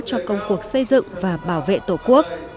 cho công cuộc xây dựng và bảo vệ tổ quốc